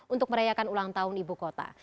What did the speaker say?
untuk merayakan ulang tahun ibu kota